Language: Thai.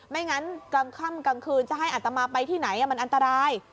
ไม่งั้นกลางค่ำกลางคืนจะให้อัตมาไปที่ไหนมันอันตราย